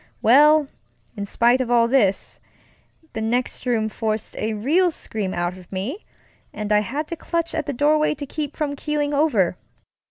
Well, in spite of all this, that next room forced a real scream out of me, and I had to clutch at the doorway to keep from keeling over.